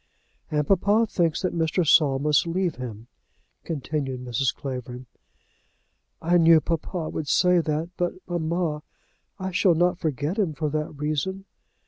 "And papa thinks that Mr. Saul must leave him," continued Mrs. Clavering. "I knew papa would say that; but, mamma, I shall not forget him for that reason."